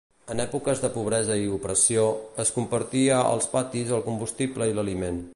En èpoques de pobresa i opressió, es compartia als patis el combustible i l'aliment.